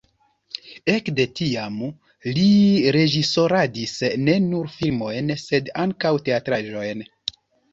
Ekde tiam li reĝisoradis ne nur filmojn, sed ankaŭ teatraĵojn.